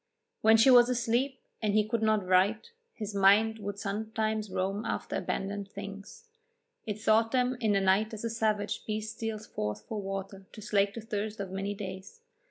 When she was asleep and he could not write, his mind would sometimes roam after abandoned things; it sought them in the night as a savage beast steals forth for water to slake the thirst of many days.